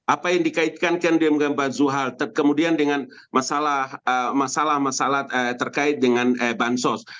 apa yang dikaitkan kan dengan pak zulha kemudian dengan masalah masalah terkait dengan bansos